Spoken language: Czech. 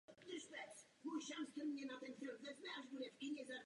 Ten předposlední proběhl před pouhými třemi roky.